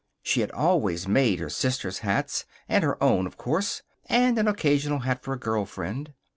She had always made her sisters' hats, and her own, of course, and an occasional hat for a girl friend.